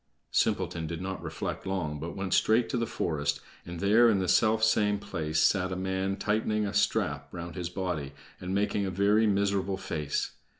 Simpleton did not reflect long, but went straight to the forest, and there in the self same place sat a man tightening a strap round his body, and making a very miserable face.